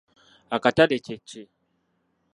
Akatale kye ki?